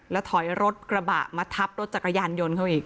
แล้วถอยรถกระบะมาทับรถจักรยานยนต์เขาอีก